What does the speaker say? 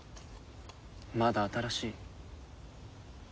まだ新しい。